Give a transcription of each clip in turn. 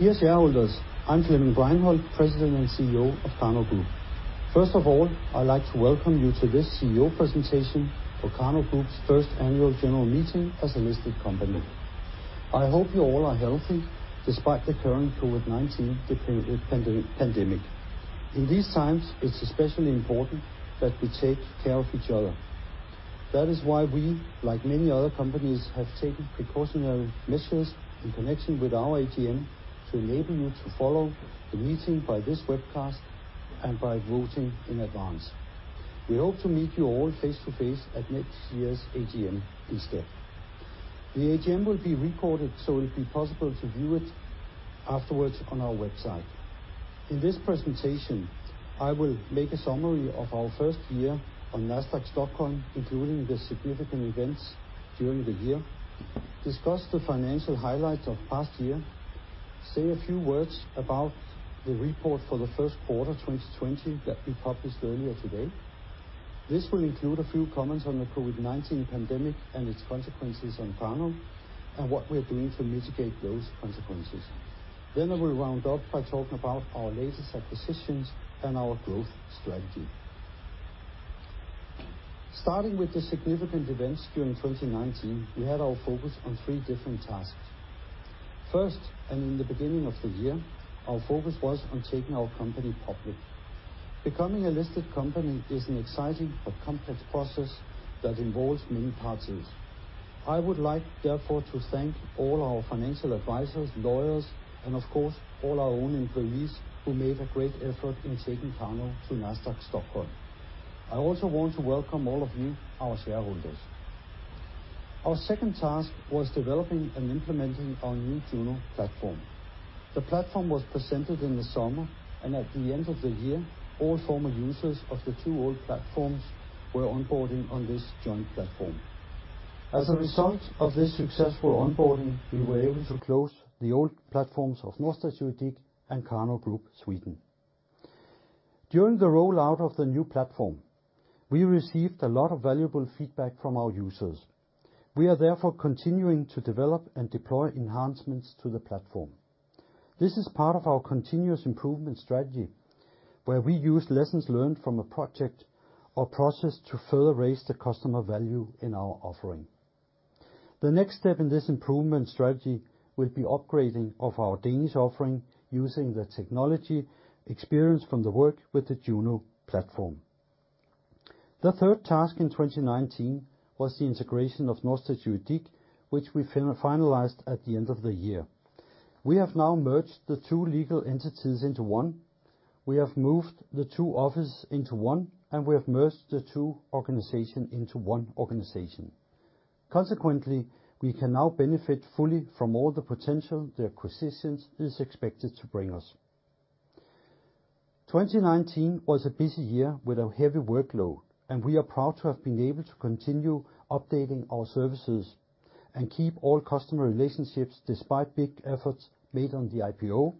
Dear shareholders, I'm Flemming Breinholt, President and CEO of Karnov Group. First of all, I'd like to welcome you to this CEO presentation for Karnov Group's first Annual General Meeting as a listed company. I hope you all are healthy despite the current COVID-19 pandemic. In these times, it's especially important that we take care of each other. That is why we, like many other companies, have taken precautionary measures in connection with our AGM to enable you to follow the meeting by this webcast and by voting in advance. We hope to meet you all face-to-face at next year's AGM instead. The AGM will be recorded, so it'll be possible to view it afterwards on our website. In this presentation, I will make a summary of our first year on Nasdaq Stockholm, including the significant events during the year, discuss the financial highlights of the past year, say a few words about the report for the first quarter 2020 that we published earlier today. This will include a few comments on the COVID-19 pandemic and its consequences on Karnov and what we are doing to mitigate those consequences. I will round off by talking about our latest acquisitions and our growth strategy. Starting with the significant events during 2019, we had our focus on three different tasks. First, and in the beginning of the year, our focus was on taking our company public. Becoming a listed company is an exciting but complex process that involves many parties. I would like, therefore, to thank all our financial advisors, lawyers, and of course, all our own employees who made a great effort in taking Karnov to Nasdaq Stockholm. I also want to welcome all of you, our shareholders. Our second task was developing and implementing our new JUNO platform. The platform was presented in the summer, and at the end of the year, all former users of the two old platforms were onboarding on this joint platform. As a result of this successful onboarding, we were able to close the old platforms of Norstedts Juridik and Karnov Group Sweden. During the rollout of the new platform, we received a lot of valuable feedback from our users. We are therefore continuing to develop and deploy enhancements to the platform. This is part of our continuous improvement strategy, where we use lessons learned from a project or process to further raise the customer value in our offering. The next step in this improvement strategy will be upgrading of our Danish offering using the technology experience from the work with the JUNO platform. The third task in 2019 was the integration of Norstedts Juridik, which we finalized at the end of the year. We have now merged the two legal entities into one. We have moved the two offices into one, and we have merged the two organization into one organization. Consequently, we can now benefit fully from all the potential the acquisitions is expected to bring us. 2019 was a busy year with a heavy workload, and we are proud to have been able to continue updating our services and keep all customer relationships despite big efforts made on the IPO,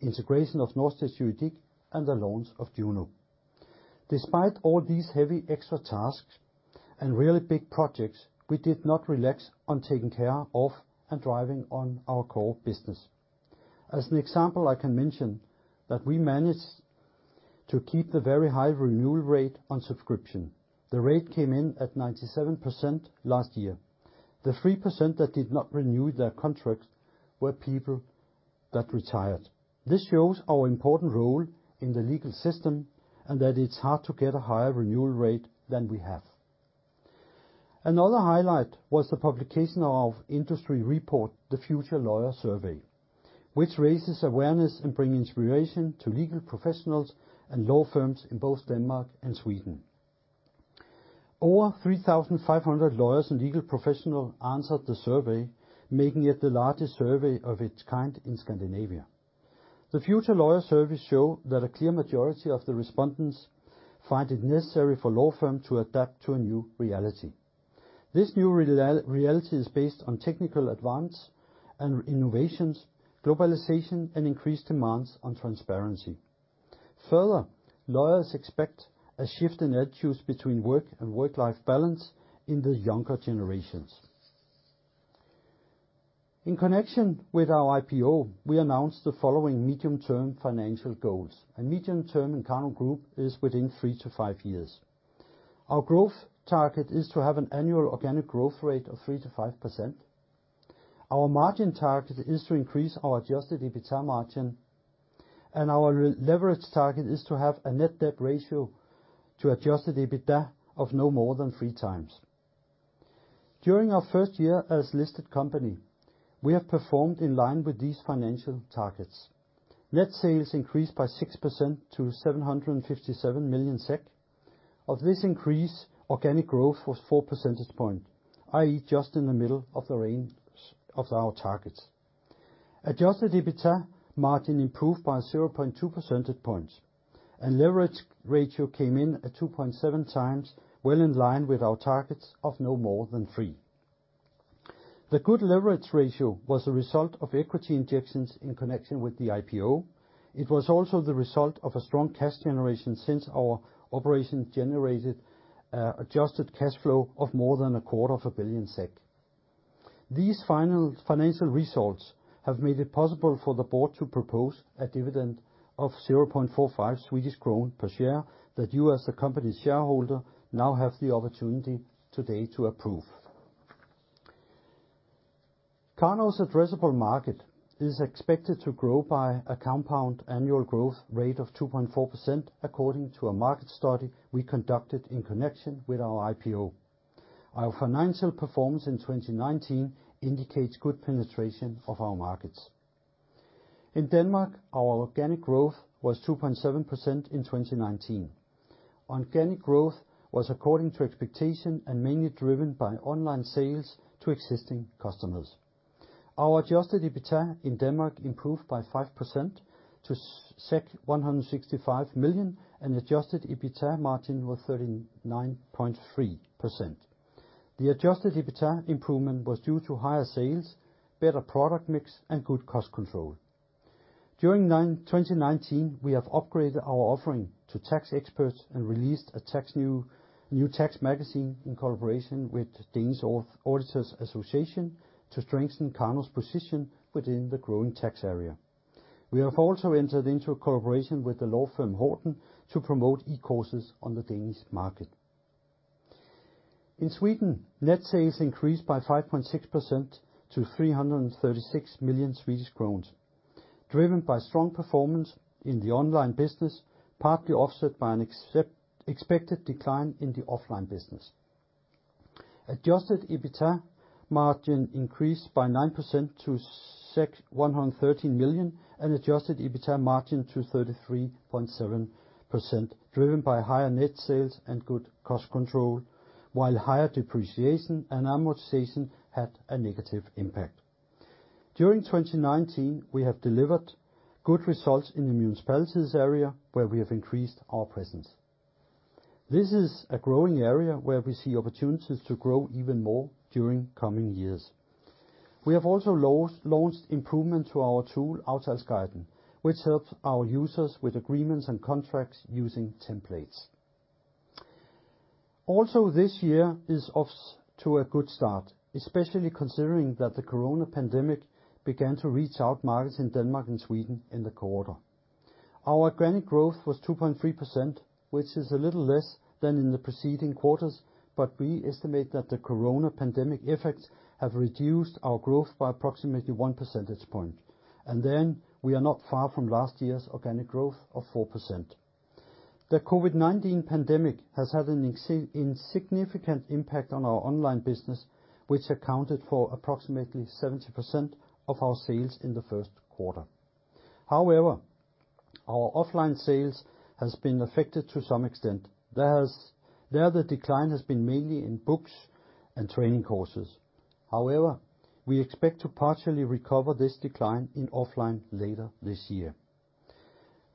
integration of Norstedts Juridik, and the launch of JUNO. Despite all these heavy extra tasks and really big projects, we did not relax on taking care of and driving on our core business. As an example, I can mention that we managed to keep the very high renewal rate on subscription. The rate came in at 97% last year. The 3% that did not renew their contract were people that retired. This shows our important role in the legal system and that it's hard to get a higher renewal rate than we have. Another highlight was the publication of our industry report, The Future Lawyer Survey, which raises awareness and bring inspiration to legal professionals and law firms in both Denmark and Sweden. Over 3,500 lawyers and legal professional answered the survey, making it the largest survey of its kind in Scandinavia. The Future Lawyer Survey show that a clear majority of the respondents find it necessary for law firm to adapt to a new reality. This new reality is based on technical advance and innovations, globalization, and increased demands on transparency. Further, lawyers expect a shift in attitudes between work and work-life balance in the younger generations. In connection with our IPO, we announced the following medium-term financial goals. A medium term in Karnov Group is within three to five years. Our growth target is to have an annual organic growth rate of 3%-5%. Our margin target is to increase our adjusted EBITDA margin. Our leverage target is to have a net debt ratio to adjusted EBITDA of no more than 3 times. During our first year as a listed company, we have performed in line with these financial targets. Net sales increased by 6% to 757 million SEK. Of this increase, organic growth was four percentage point, i.e., just in the middle of the range of our targets. Adjusted EBITDA margin improved by 0.2 percentage points. Leverage ratio came in at 2.7 times, well in line with our targets of no more than 3. The good leverage ratio was a result of equity injections in connection with the IPO. It was also the result of a strong cash generation since our operation generated adjusted cash flow of more than SEK a quarter of a billion. These financial results have made it possible for the board to propose a dividend of 0.45 per share that you, as a company shareholder, now have the opportunity today to approve. Karnov Group's addressable market is expected to grow by a compound annual growth rate of 2.4%, according to a market study we conducted in connection with our IPO. Our financial performance in 2019 indicates good penetration of our markets. In Denmark, our organic growth was 2.7% in 2019. Organic growth was according to expectation and mainly driven by online sales to existing customers. Our adjusted EBITA in Denmark improved by 5% to 165 million and adjusted EBITA margin was 39.3%. The adjusted EBITA improvement was due to higher sales, better product mix, and good cost control. During 2019, we have upgraded our offering to tax experts and released a new tax magazine in collaboration with Danish Auditors Association to strengthen Karnov's precision within the growing tax area. We have also entered into a collaboration with the law firm Horten to promote e-courses on the Danish market. In Sweden, net sales increased by 5.6% to 336 million Swedish kronor, driven by strong performance in the online business, partly offset by an expected decline in the offline business. Adjusted EBITA margin increased by 9% to 113 million and adjusted EBITA margin to 33.7%, driven by higher net sales and good cost control, while higher depreciation and amortization had a negative impact. During 2019, we have delivered good results in the municipalities area, where we have increased our presence. This is a growing area where we see opportunities to grow even more during coming years. We have also launched improvement to our tool.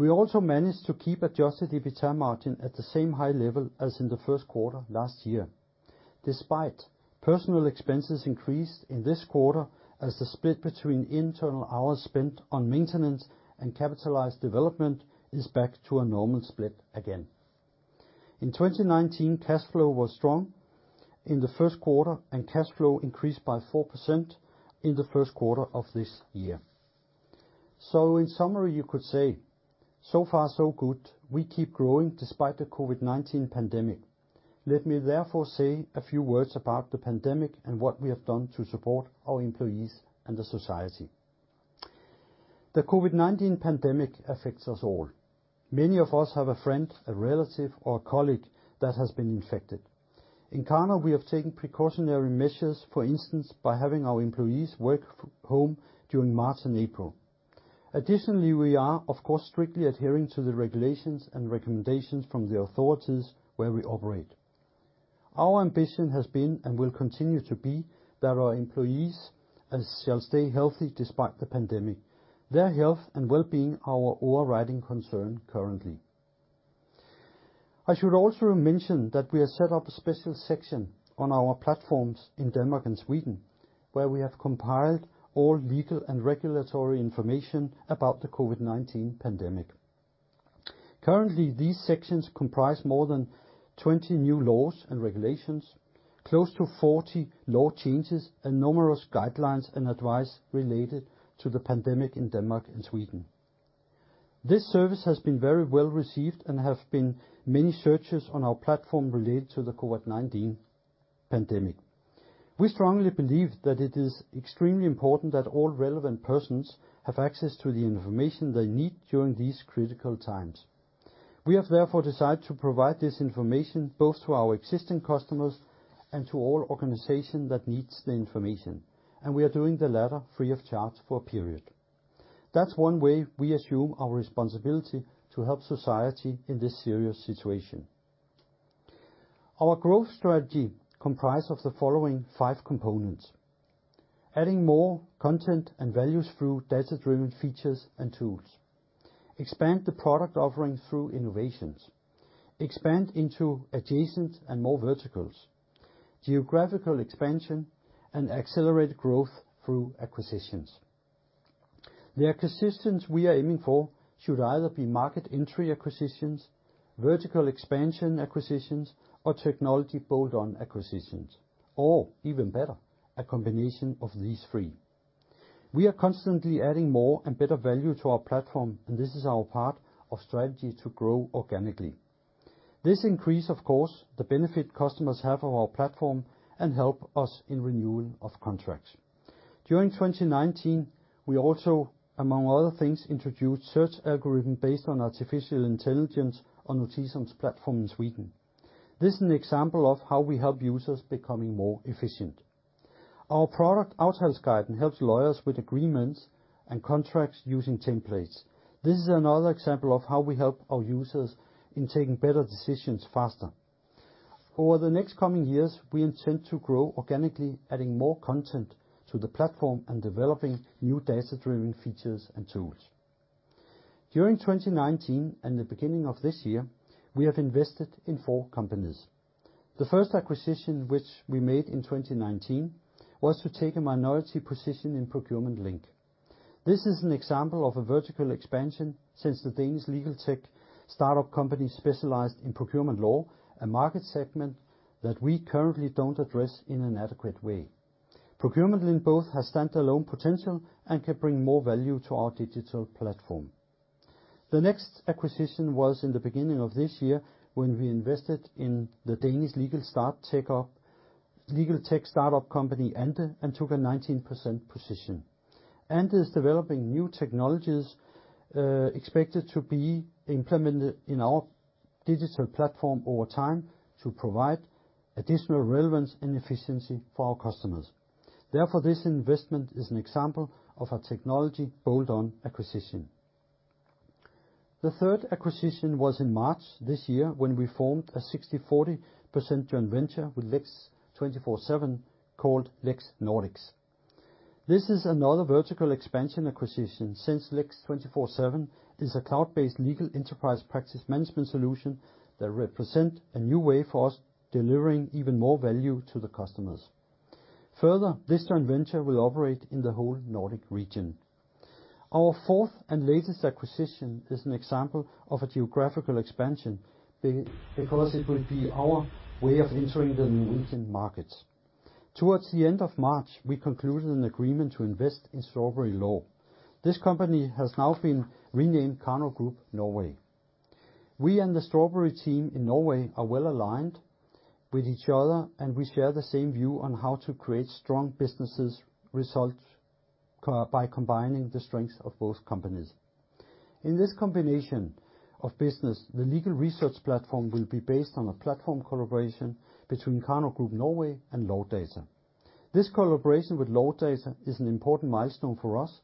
In 2019, cash flow was strong in the first quarter, and cash flow increased by 4% in the first quarter of this year. In summary, you could say, so far so good. We keep growing despite the COVID-19 pandemic. Let me therefore say a few words about the pandemic and what we have done to support our employees and the society. The COVID-19 pandemic affects us all. Many of us have a friend, a relative, or colleague that has been infected. In Karnov, we have taken precautionary measures, for instance, by having our employees work from home during March and April. Additionally, we are of course, strictly adhering to the regulations and recommendations from the authorities where we operate. Our ambition has been, and will continue to be, that our employees shall stay healthy despite the pandemic, their health and wellbeing our overriding concern currently. I should also mention that we have set up a special section on our platforms in Denmark and Sweden, where we have compiled all legal and regulatory information about the COVID-19 pandemic. Currently, these sections comprise more than 20 new laws and regulations, close to 40 law changes, and numerous guidelines and advice related to the pandemic in Denmark and Sweden. This service has been very well-received and have been many searches on our platform related to the COVID-19 pandemic. We strongly believe that it is extremely important that all relevant persons have access to the information they need during these critical times. We have therefore decided to provide this information both to our existing customers and to all organization that needs the information, and we are doing the latter free of charge for a period. That's one way we assume our responsibility to help society in this serious situation. Our growth strategy comprise of the following five components: adding more content and values through data-driven features and tools, expand the product offering through innovations, expand into adjacent and more verticals, geographical expansion, and accelerated growth through acquisitions. The acquisitions we are aiming for should either be market entry acquisitions, vertical expansion acquisitions, or technology bolt-on acquisitions, or even better, a combination of these three. We are constantly adding more and better value to our platform, and this is our part of strategy to grow organically. This increase, of course, the benefit customers have of our platform and help us in renewal of contracts. During 2019, we also, among other things, introduced search algorithm based on artificial intelligence on Notisum's platform in Sweden. This is an example of how we help users becoming more efficient. Our product, Avtalsguiden, helps lawyers with agreements and contracts using templates. This is another example of how we help our users in taking better decisions faster. Over the next coming years, we intend to grow organically, adding more content to the platform and developing new data-driven features and tools. During 2019 and the beginning of this year, we have invested in four companies. The first acquisition, which we made in 2019, was to take a minority position in ProcurementLink. This is an example of a vertical expansion since the Danish legal tech startup company specialized in procurement law, a market segment that we currently don't address in an adequate way. ProcurementLink both has standalone potential and can bring more value to our digital platform. The next acquisition was in the beginning of this year when we invested in the Danish legal tech startup company, Ante, and took a 19% position. Ende is developing new technologies expected to be implemented in our digital platform over time to provide additional relevance and efficiency for our customers. Therefore, this investment is an example of a technology bolt-on acquisition. The third acquisition was in March this year when we formed a 60/40% joint venture with LEX247 called LEXnordics. Further, this is another vertical expansion acquisition since LEX247 is a cloud-based legal enterprise practice management solution that represent a new way for us delivering even more value to the customers. This joint venture will operate in the whole Nordic region. Our fourth and latest acquisition is an example of a geographical expansion because it will be our way of entering the Norwegian markets. Towards the end of March, we concluded an agreement to invest in Strawberry Law. This company has now been renamed Karnov Group Norway. We and the Strawberry team in Norway are well-aligned with each other, and we share the same view on how to create strong businesses result by combining the strengths of both companies. In this combination of business, the legal research platform will be based on a platform collaboration between Karnov Group Norway and Lovdata. This collaboration with Lovdata is an important milestone for us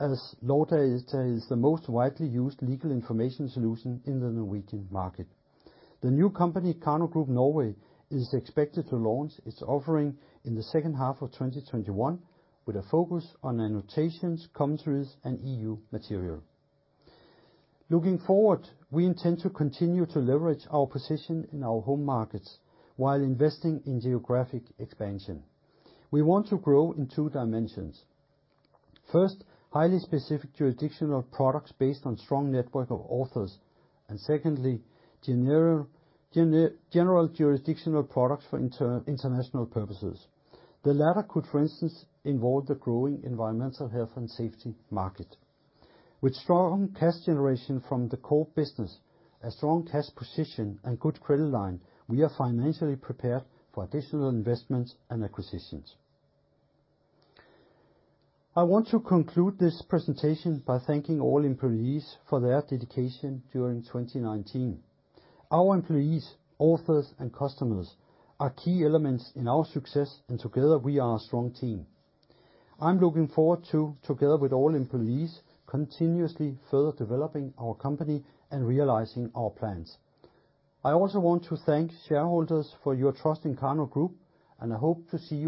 as Lovdata is the most widely used legal information solution in the Norwegian market. The new company, Karnov Group Norway, is expected to launch its offering in the second half of 2021 with a focus on annotations, commentaries, and EU material. Looking forward, we intend to continue to leverage our position in our home markets while investing in geographic expansion. We want to grow in two dimensions. First, highly specific jurisdictional products based on strong network of authors. Secondly, general jurisdictional products for international purposes. The latter could, for instance, involve the growing environmental health and safety market. With strong cash generation from the core business, a strong cash position, and good credit line, we are financially prepared for additional investments and acquisitions. I want to conclude this presentation by thanking all employees for their dedication during 2019. Our employees, authors, and customers are key elements in our success, and together we are a strong team. I'm looking forward to, together with all employees, continuously further developing our company and realizing our plans. I also want to thank shareholders for your trust in Karnov Group, and I hope to see you